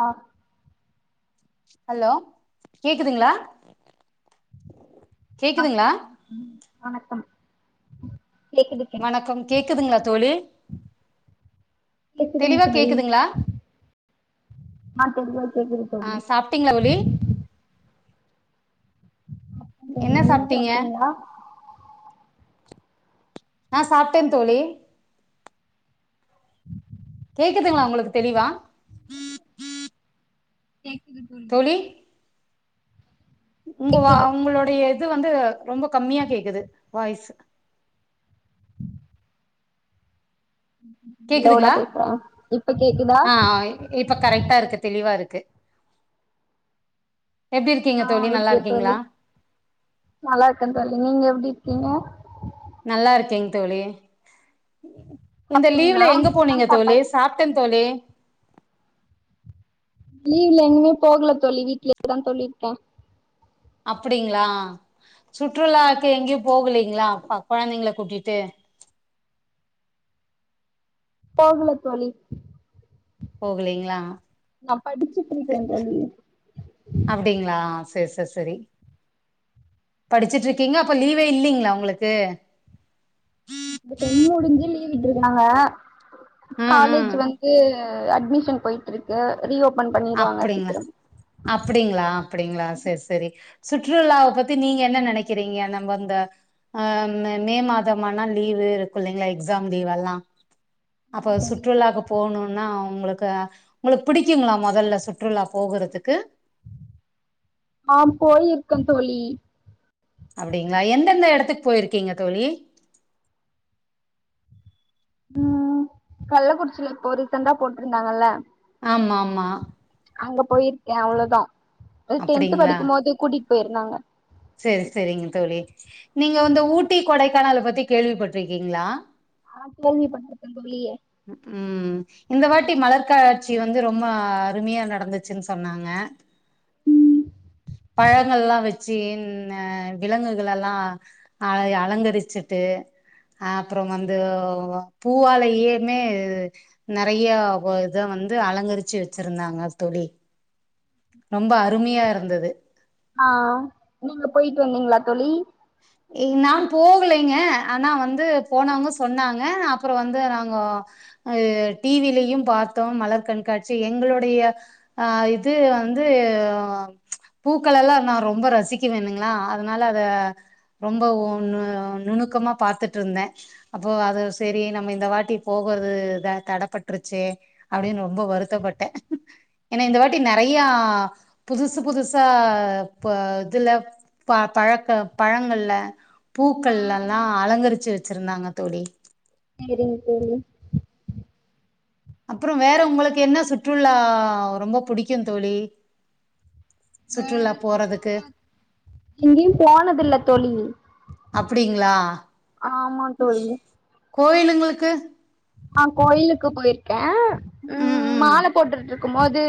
ஆ hello கேக்குதுங்ளா ஆ ஆ ம் வணக்கம் கேக்குது கேக் வணக்கம் கேக்குதுங்ளா தோழி கேக்குதுங்க தெளிவா தோழி கேக்குதுங்ளா ஆ [unintelligible] ஆ தோழி சாப்ட்டீங்க ஒளி தோழி நீங்க சாப்ட்டீங்ளா நா சாப்ட்டே தோழி கேக்குதுங்களா உங்களுக்கு தெளிவா கேக்குது தோழி உங்க வா உங்களோடைய இது வந்து ரொம்ப கம்மியா கேக்குது வாய்ஸ் லவுடா கேக்குதுங்ளா பேசுறே இப்ப கேக்குதா ஆஹ் ஆஹ் இப்ப கரெக்டா இருக்கு தெளிவா இருக் கு ஆஹ் ஓகே தோழி நல்லா இருக்கே தோழி நீங்க எப்டி இருக்கீங்க நல்லா இருக்கேங் தோழி இந்த சாப்ட்டீங்களா லீவ்ல எங்க என்னா போனீங்க தோழி சாப்பாடு சாப்ட்டன் தோழி லீவ்ல எங்கயு போகல தோழி வீட்லேதா தோழி இருக்கே அப்டீங்ளா சுற்றுலாக்கு எங்கயு போகலீங்ளா ப கொழந்தைங்ள கூட்டிட்டு போகல தோழி போகலீங்ளா நா படிச்சிட்ருக்கே தோழி சஸ்சரி படிச்சிட்ருக்கீங்க அப்ப லீவே இல்லைங்ளா ஒங்களுக்கு இப்ப செம் முடிஞ்சு லீவ் விட்ருக்காங்க ம் ம் காலேஜ் வந்து ஆஹ் அட்மிஷன் போயிட்ருக்கு ரீ ஓப் அப்டிங்ளா அப்டிங்ளா அப்டிங்ளா செரி செரி சுற்றுல்லாவ பத்தி நீங்க என்ன நெனைக்கிறீங்க நம்ப அந்த ஆஹ் ம மே மாதமானா லீவு இருக்கு இல்லைங்ளா எக்ஸாம் லீவெல்லா ஆமா அப்ப தோழி சுற்றுல்லாக்கு போணு நா உங்களுக்கு உங்களுக்கு பிடிக்குங்களா மொ தல்ல சுற்றுலா போகுறத்துக்கு ஆஹ் போயிருக்கே தோழி அப்டிங்ளா எந்தெந்த எடத்துக்கு போயிருக்கீங்க தோழி ம் கள்ளக்குறிச்சில இப்போ ரீசன்ட்டா போட்ருந்தாங்கள்ல ஆமா ஆமா கே அவ்ளதா அது டென்த்து அப்டிங்களா படிக்கும்போது கூட்டிட் போயிருந்தாங்க செரி செரிங்க தோழி நீங்க வந்து ஊட்டி கொடைக்கானல பத்தி கேள்விப்பட்ருக்கீங்ளா ஆஹ் கேள்விப்பட்ருக்க தோழி உம் இந்த வாட்டி மலர் காட்சி வந்து ரொம்ப அருமையா நடந்துச்சுன் சொன்னாங்க ம் பழங்கள்லா வச்சு இன்ன விலங்குகளலா அழய அலங்கரிச்சுட்டு ஆஹ் அப்றோ வந்து பூவாலையே மே நெறையா போ இத வந்து அலங்கரிச்சு வச்சிருந்தாங்க தோழி ரொம்ப அருமையா இருந்தது ஆஹ் நீங்க போயட்டு வந்தீங்ளா தோழி ஏ நாங் போகலைங்க ஆனா வந்து போனவ்ங்க சொன்னாங்க அப்றோ வந்து நாங்க அஹ் டி வி லயு பாத்தோ மலர் கண்காட்சி எங்களோடைய ஆஹ் இது வந்து பூக்களலா நா ரொம்ப ரசிக்க வேணுங்ளா அதனால அத ரொம்ப ஒ நு நுணுக்கமா பாத்துட்ருந்தே அப்போ அது செரி நம்ம இந்த வாட்டி போகற்து த தடப்பட்ருச்சே அப்டின் ரொம்ப வருத்தப்பட்டே ஏனா இந்த வாட்டி நெறையா புதுசு புதுசா இப்ப இதுல ப பழக்க பழங்கள்ல ஆ பூக்கள்லலா அலங்கரிச்சு வச் ச்சிருந்தாங்க தோழி சேரிங்க தோழி அப்புறம் வேற உங்களுக்கு என்ன சுட் சுற்றுலா ரொம்ப புடிக்கும் தோழி வேற சுற்றுலா போறதுக்கு சுற்றுலா எங்கியும் போனதுல்ல தோழி அப்டிங்களா ஆமா தோழி கோயிலுங்களுக்கு ஆஹ் கோயிலுக்கு போயிருக்கேன் உம் உம் ருக்கும் மோது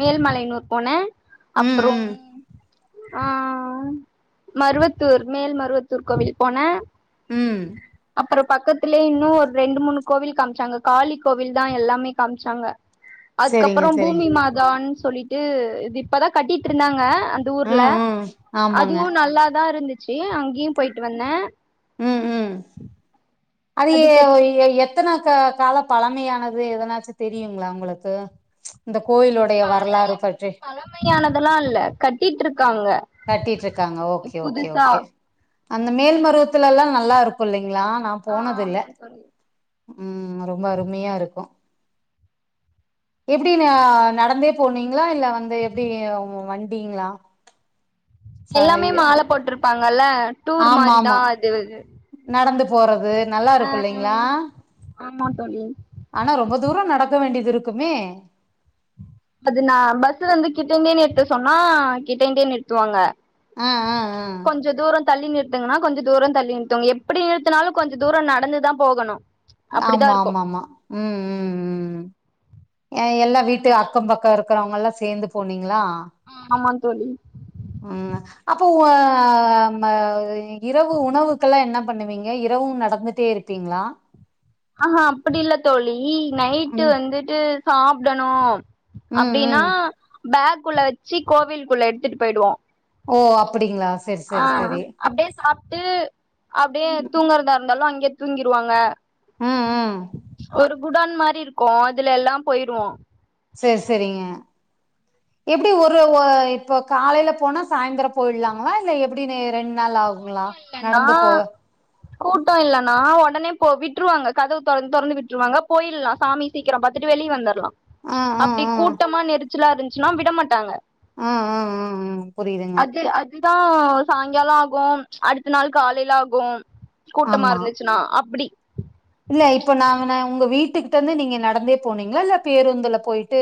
மேல்மலையனூர் போன ம் அப்புறம் ம் ஆஹ் மருவத்தூர் மேல் மருவத்தூர் கோவில் போன ம் அப்புற பக்கத்திலே இன்னும் ஒரு ரெண்டு மூணு கோவில் காம்ச்சாங்க காளி கோவில் தான் எல்லாமே காம்ச்சாங்க செரிங்க அதுக்கப்புறம் செரிங்க பூமி மாதான் சொல்லிட்டு இது இப்பதான் கட்டிட்டு இருந்தாங்க அந்த ஊர்ல ம் ம் ஆமாங்க அதுவு நல்லாதான் இருந்துச்சு சி அங்கியும் போயிட்டு வந்தன் ம் ம் அது ஏ அதுக்கப் எ எத் எத்தன கா கால பழமையானது எதனாச்சு தெரியுங்களா உங்களுக்கு ப்ச் இந்த கோயிலுடைய வரலாறு பற்றி அதெல்லா இல்ல கட்டிட்டு இருக்காங்க கட்டிட்டு இருக்காங்க ஓகே ஓகே புதுசா ஓகே அந்த மேல்மருவத்துலலாம் நல்லா இருக்கும் இல் ங்களா நான் ஆ போனதுல்ல ஆமா தோழி உம் ரொம்ப அருமையா இருக்கு எப்டி நா நடந்தே போனீங் ங்ளா இல்ல வந்து எப்டி உங்க வண் அப்டிங்ளா எல்லாமே மால போட்ருப் பாங்கல்ல ஆமா ஆமா நடந்து போறது நல்லா ஆ இருக்கு இல்லைங்களா ஆமா தோழி ஆனா ரொம்ப தூர நடக்க வேண்டியது இருக்குமே அதுநா பஸ்லருந்து கிட்டயண்னே நிறுத்த சொன்னா கிட்டயண்டே நிறுத்துவாங்க ஆ ஆ ஆ கொஞ்ச தூர தள்ளி நிர்த் த்துங்கன்னா கொஞ்சொ தூரொ தள்ளி நிறுத்துங் எப்படி நிறுத்துனாலு கொஞ்சொ தூரொ நடந்துதா போகணு அப்டிதா இருக்கு ஆமாமாமா ம் ம் ம் எ எல்லா வீட்டு அக்கம் பக்க இருக்கறவங்கல்லா சேந்து போனீங்களா ஆமாங் தோழி உம் அப்போ ஓ ம இ இரவு உணவுக்கலா என்ன பண்ணுவீங்க இரவு நடந்துட்டே இருப்பீங்ளா ஆஹா அப்டி இல்ல தோழி இ நைட்டு ம் வந்துட்டு சாப்டணும் ம் அப்டின்னா ம் டாக் குள்ள வச்சு கோவில்குள்ள எடுத்துட்டு போய்டுவோ ஓ அப்டிங்களா செரி ஆ செரி செரி அப்டே சாப்ட்டு அப்டியே தூங்கறதாயிருந்தாலும் அ தூங்கிருவாங்க ம் ம் ஒரு குடோன் மாரி இருக்கும் அதுல எல்லா போயிருவோம் செர் செரிங்க எப்பிடி ஒரு ஒ இப்ப காலைல போனா சாய்ந்தர போய்லாங்களா இல்ல எப்பிடி நி ரெண் கூட்டம் இல்லனா கூட்டம் இல்லனா ஒ உடனே போ விட்டுருவாங்க கதவு தொறந் தொறந்து விட்டுருவாங்க போயிருல்லா சாமி சீக்கிரம் பாத்துட்டு வெளிய் வந்தர்லா ஆ ச் ஆ அப்டி ஆ கூட்டமா நெறி சில்லா இருந்துச்ன்னா விட மாட்டாங்க ஆ ஆ ஆ அ புரியுதுங்க தா சாய்ங்காலம் ஆ கும் ச் அடுத்த நாள் காலைல ஆகும் கூட்டமா ஆமா இருந்துச்சுன்னா அப்பிடி இல்ல இப்ப நா நா உங்க வீட்டுகிட்ட இருந்து நீங்க நடந்தே போனிங்ளா இல்ல பேருந்துல போயிட்டு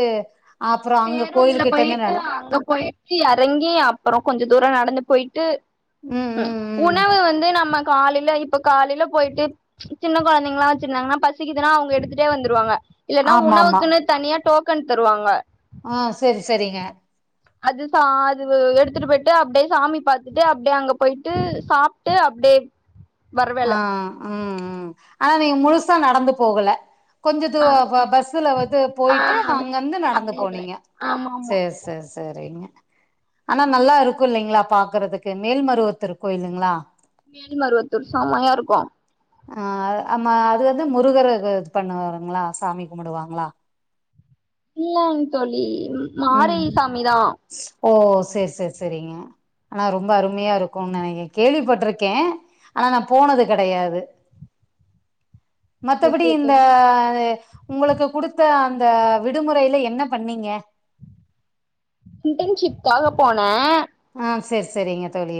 அப்றோ அங்க பேருந்துல கோயில் கிட்ட இருந்து போயிட்டு நட அங்க போயிட்டு எறங்கி அப்புற கொஞ்ச தூர நடந்து போய்ட்டு ம் அ ம் ம் உணவு வந்து நம்ம காலைல இப்ப காலைல போயிட்டு சின்ன கொழந்தைங்கலா வெச்சிருந்தாங்னா பசிக்குதுன்னா அவுங்க எடுத்துட்டே வந்துருவாங்க இல்லன்னா ஆமா ஆமா உணவுக்குன்னு தனியா டோக் கன் தருவாங்க ஆ செரி செரிங்க அது சா அது எடுத்துட்டு போய்ட்டு அப்டியே சாமி பாத்துட்டு அப்டியே அங்க போயிட்டு சாப்ட்டு அப்டியே வர வேல ஆ ம் ம் ஆனா நீங்க முழுசா நடந்து போகல கொஞ்ச தூ ப பஸ்ஸுல வந்து போய்ட்டு அங்கந்து நடந்து போனிங்க செர் செர் செரிங்க ஆனா நல்லா இருக்கு இல்லிங்ளா பாக்குறதுக்கு மேல்மருவத்தூர் கோயிலுங்ளா மேல்மருவ த்தூர் செமையா இருக்கு ஆ அமா அது வந்து முருகரு இது பண்ணுவாருங்ளா சாமி கும்பிடுவாங்ளா இல்லாங் தோழி ம் மாரி சாமிதா ஓ சேர் சேர் செரிங்க ஆனா ரொம்ப அருமையா இருக்குன் நெனைக் கேள்விப்பட்ருக்கே ஆனா நா போனது கெடையாது மத்தபடி ஓகே இந்த தோழி அ உங்களுக்கு குடுத்த அந்த விடுமுறைல என்ன பண்ணிங்க இன்டர்ன்ஷிப்காக போன ஆ சேர் செரிங்க தோழி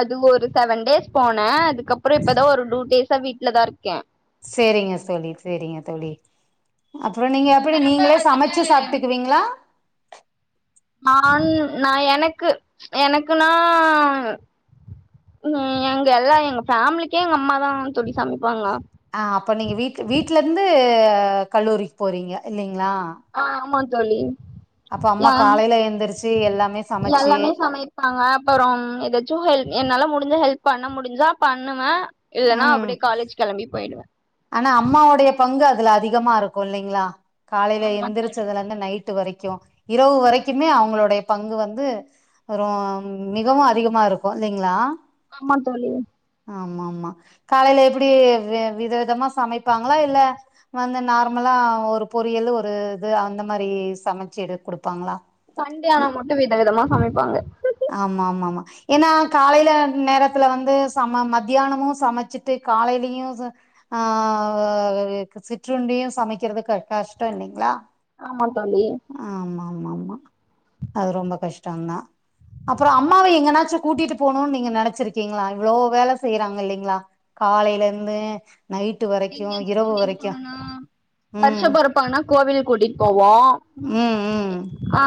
அது ஒரு செவன் டேஸ் போன அதுக்கப்புற இப்பதா ஒரு டூ டேஸா வீட்லதா இருக் செரிங்க தோழி செரிங்க தோழி அப்புற நீங்க எப்பிடி நீங்களே சமைச்சு சாப்ட்டுக்குவிங்ளா நான் நா எனக்கு எனக்குனா ம் எங்க எல்லா எங்க ஃபேமிலிக்கே எங்க அம்மாதா தோழி சமைப் ஆ அப்ப நீங்க வீட் வீட்ல இருந்து அ கல்லூரிக்கு போறீங்க இல்லைங்க ஆ ஆமா தோழி அப்ப அம்மா எ காலையில எந்திரிச்சு எல்லாமே சமைச்சு எல்லாமே சமைப்பாங்க அப்பறோ எதாச்சு ஹெல் என்னால முடிஞ்ச ஹெல்ப் பண்ண முடிஞ்சா பண்ணுவே இல்லனா ம் அப்டியே காலேஜ் கெளம்பி போயிடுவ ஆனா அம்மாவுடைய பங்கு அதுல அதிகமா இருக்கு இல்லிங்களா காலைல எந்திரிச்சதுல இருந்து நைட்டு வரைக் க்கு இரவு வரைக்குமே அவங்களுடைய பங்கு வந்து ரொ மிகவு அதிகமா இருக்கு இல்லிங்களா ஆமா தோழி ஆமா ஆமா காலைல எப்டி வி வித தமா ச சமைப்பாங்களா இல்ல வந்து நார்மலா ஒரு பொரியல் ஒரு இது அந்த மாரி சமைச்சு எடு குடு சண்டே ஆனா மட்டு வித விதமா சமைப்பாங்க ஆமா ஆமா ஆமா ஏன்னா காலைல நேரத்துல வந்து சம மதியானமு சமைச்சிட்டு காலையிலயு ச ஆ சிற்றுண்டியு சமைக்கிறதுக்கு க கஷ்டோ இல்லைங்ளா ஆமா தோழி ஆமா ஆமா, அது ரொம்ப கஷ்டந்தா அப்பறோ அம்மாவ எங்கனாச்சு கூட்டிட்டு போணுனு நீங்க நெனச்சிருக்கீங்ளா இவ்வளோ வேல செய்யறாங்க இல்லைங்ளா காலைல இருந்து நைட்டு வரைக்கு இரவு வரைக்கு ம் வருஷப் பொறப்பானா கோவில் கூட்டிட் போ வோ, ம் ம் ஆ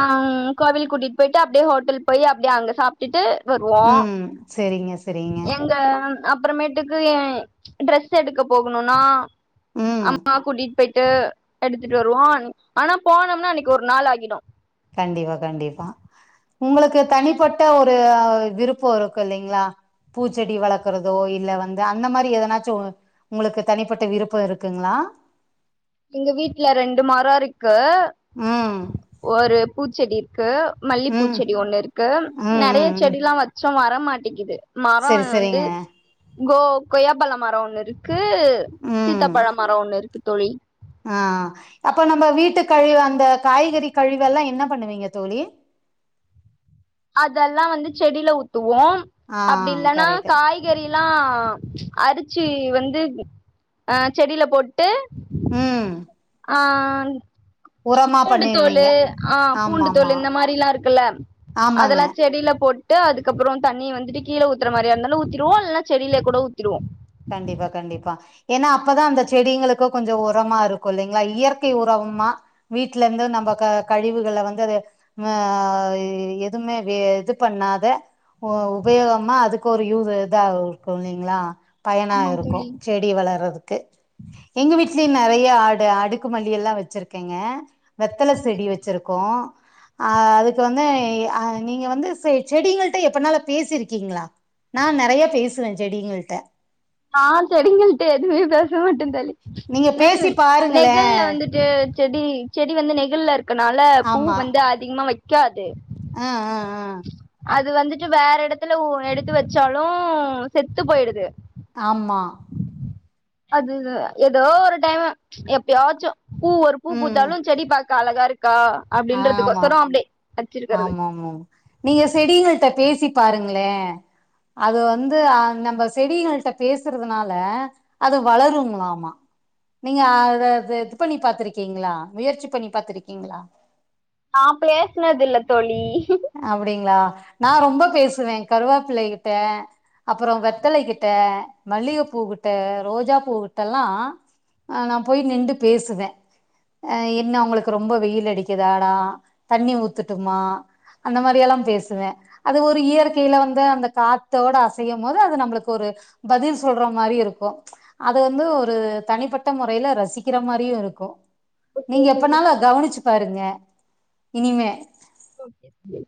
கோவில் கூட்டிட் போய்ட்டு அப்டியே ஹோட்டல் போய் அப்டியே அங்க சாப்டுட்டு வருவோ ம் செரிங்க செரிங்க அப்பறமேட்டுக்கு எ ட்ரெஸ் எடுக்க போகணுன்னா ம் அம்மா கூட்டிட்டு பேய்ட் டு எடுத்துட்டு வருவோ ஆனா போனோம்னா அன்னைக்கு ஒரு நாள் ஆகிடு கண்டிப்பா கண்டிப்பா, உங்களுக்கு தனிப்பட்ட ஒரு விருப்ப இருக்கு இல்லைங்ளா பூச்செடி வளக்குறதோ இல்ல வந்து அந்த மாரி எதனாச்சு உங்களுக்கு தனிப்பட்ட விருப்ப இருக்குங்ளா எங்க வீட்ல ரெண்டு மரம் இருக் கு ம் ஒரு பூச்செடி இரு க்கு மல்லிப்பூ ம் செடி ஒண்ணு இருக்கு ம் நெறைய ம் ம் செடிலா வச்சோ வளர மாட்டிக்கிது மரோ செரி வந்து செரிங்க கோ கொய்யாப்பழ மர ஒண்ணு இருக் கு ம் சீத்தாப்பழ மர ஒண்ணு இருக்கு தோழி ஆ அப்ப நம்ம வீட்டு கழிவு அந்த காய்கறி கழிவெல்லா என்ன பண்ணுவிங்க தோழி அதெல்லா வந்து செடில ஊத் துவோ ஆ அப்டி இல்லனா கரெக்ட்டு காய்கறிலா அரை ச்சி வந்து அ செடில போட் டு ம் ஆ அந் உரமா பூண்டு தோலு பண்ணிருவீங்க ஆ ஆமா பூண்டு தோலு ஆமா இந்த மாரில்லா இருக்குல்ல ஆமாங்க அதெல்லா செடில போட் டு அதுக்கப்பறோ தண்ணிய வந்துட்டு கீழே ஊத்தற மாரியா இருந்தாலு ஊத்திருவோ இல்லனா செடிலயே கூட ஊத் கண்டிப்பா கண்டிப்பா ஏன்னா அப்பதா அந்த செடிங்களுக்கு கொஞ்ச உரமா இருக்கு இல்லைங்ளா இயற்கை உரமா வீட்ல இருந்து நம்ம க கழிவுகள வந்து அத ஆ எதுமே வே இது பண்ணாத உ உபயோகமா அதுக்கு ஒரு யூ இதா இருக்கு இல்லைங்ளா பயனா இருக்கு செடி வளர்றதுக் கு எங்க வீட்லயு நெறையா அடு அடுக்கு மல்லி எல்லா வெச்சிருக்கங்க வெத்தல செடி வெச்சிருக்கோ அ அதுக்கு வந்து அ நீங்க வந்து செ செடிங்கள்ட்ட எப்பனாலு பேசிருக்கிங்ளா நா நெறைய பேசுவே செடிங்கள்ட்ட நா செடிங்கள்ட்ட எதுமே பேச மாட்டே தோழி நீங்க நா பேசிப் பாருங்களே நெகழ்ல வந்துட்டு செடி செடி வந்து நெகிழ்ல இருக் கனால பூ ஆமா வந்து அதிகமா வெக்காது ஆ ஆ ஆ து வந்துட்டு வேற எடத்துல ஒ எடுத்து வெச்சாலு செத்து போயிடுது ஆமா அது ஏதோ ஒரு டைமு எப்பயாச்சு பூ ஒரு பூ ம் பூத்தாலு செடி பாக் க அழகாருக் கா ஆமா அப்டின்றதுக்கொசரோ அப்டி ஆமாமாம் நீங்க செடிகள்ட்ட பே சி பாருங்ளே அது வந்து அ நம்ம செடிகள்ட்ட பேசுறதுனால அது வளருங்ளாமா நீங்க அத த செக் பண்ணி பாத்துருக்கிங்ளா முயற்சி பண்ணி பாத்துருக்கிங்ளா நா பேசுனதில்ல தோழி அப்டிங்களா நா ரொம்ப பேசுவேன் கருவேப்பிலகிட்ட அப்பறோ வெத்தலை கிட்ட மல்லிகப்பூ கிட்ட ரோஜா பூ கிட்டெல்லா நா போய் நின்டு பேசுவே அ என்ன உங்களுக்கு ரொம்ப வெயில் அடிக்குதாடா தண்ணி ஊத்துட்டுமா அந்த மாரியெல்லா பேசுவே அது ஒரு இயற்கையில வந்து அந்த காத்தோட அசையும் போது அது நம்மளுக்கு ஒரு பதில் சொல்ற மாரி இருக்கு அது வந்து ஒரு தனிப்பட்ட முறையில ரசிக்கிற மாரியு இருக்கு ஓகே நீங்க தோழி எப்பனாலு கவனிச்சு பாருங்க இனிமே ஓகே தோழி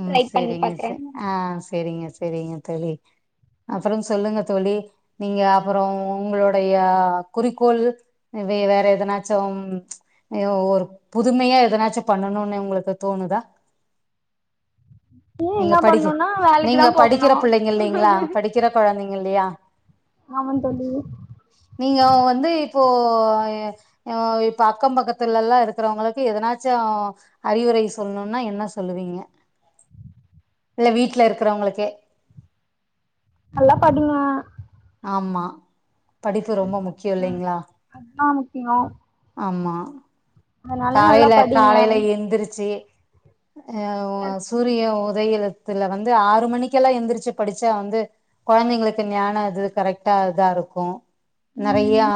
ம் ட்ரை பண்ணி செரிங்க பாக்குறே ச ஆ செரிங்க ச செரிங்க தோழி அப்பறம் சொல்லுங்க தோழி நீங்க அப்புறம் உங்களுடைய குறிக்கோள் வேற எதனாச்சும் ஒரு புதுமையா எதனாச்சும் பண்ணணுனு உங்களுக்கு தோணுதா ஏ நீங்க என்ன படிக்க பண்ணுனா வேலைக்கு தா நீங்க போகணு படிக்கிற பிள்ளைங்க இல்லலைங்ளா படிக்கிற கொழந்தைங்க இல்லையா ஆமா தோழி நீங்க வந்து இப்போ ஆஹ் இப்ப அக்கம் பக்கத்துலலா இருக்கிறவங்களுக்கு எதனாச்சும் அறிவுரை சொல்லணும்னா என்ன சொல்லுவீங்க இல்ல வீட்ல இருக்கிறவங்களுக்கே நல்லா படிங்க ஆமா படிப்பு ரொம்ப முக்கியம் இல்லைங்களா அதா முக்கியோ ஆமா அதனால நல்லா காலையில படிங்க காலையில எந்திருச்சு அஹ் சூரிய உ தையிலத்துல வந்து ஆறு மணிக்கெல்லாம் எந்திரிச்சு படிச்சா வந்து கொழந்தைங்களுக்கு ஞானம் இது கரெக்டா இதா இருக்கு நறயா